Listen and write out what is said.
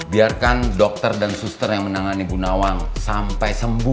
biarkan dokter dan suster yang menangani gunawan sampai sembuh